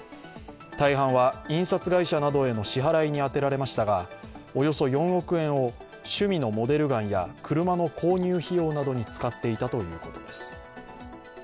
大半は印刷会社などへの支払いに充てられましたがおよそ４億円を趣味のモデルガンや車の購入費用などに使っていたということです。